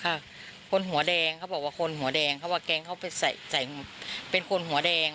คนหัวแดงเขาบอกว่าคนหัวแดงเพราะว่าแก๊งเขาไปใส่ใส่เป็นคนหัวแดง